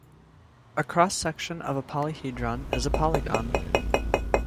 A cross section of a polyhedron is a polygon.